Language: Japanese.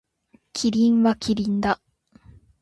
キリンはキリンだ。